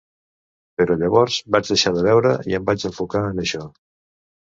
Però llavors vaig deixar de beure i em vaig enfocar en això.